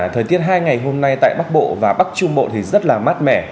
thời tiết hai ngày hôm nay tại bắc bộ và bắc trung bộ thì rất là mát mẻ